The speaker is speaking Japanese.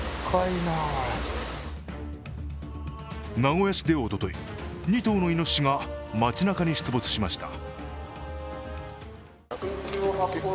名古屋市でおととい２頭のイノシシが街なかに出没しました。